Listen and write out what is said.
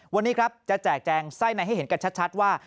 วันนี้ครับจะแจกแจงไส้ในให้เห็นกันชัดว่า